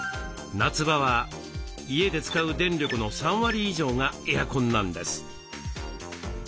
夏場は家で使う電力の３割以上がエアコンなんです。